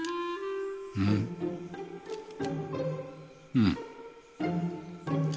うん。